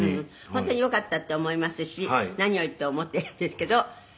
「本当によかったって思いますし何よりと思っているんですけど」